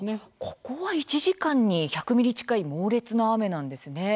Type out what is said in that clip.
ここは１時間に１００ｍｍ近い猛烈な雨なんですね。